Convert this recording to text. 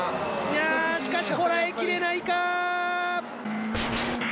やしかしこらえきれないか！